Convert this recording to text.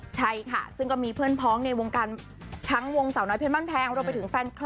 ใช่ค่ะซึ่งก็มีเพื่อนพ้องในวงการทั้งวงสาวน้อยเพลินบ้านแพง